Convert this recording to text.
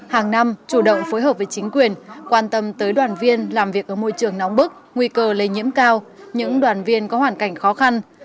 hàng năm chủ động phối hợp với chính quyền quan tâm tới đoàn viên làm việc ở môi trường nóng bức nguy cơ lây nhiễm cao những đoàn viên có hoàn cảnh khó khăn